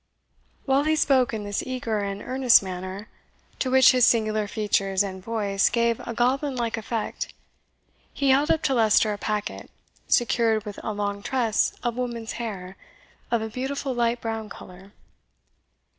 While he spoke in this eager and earnest manner, to which his singular features and voice gave a goblin like effect, he held up to Leicester a packet, secured with a long tress of woman's hair of a beautiful light brown colour.